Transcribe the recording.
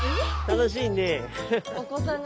楽しいね。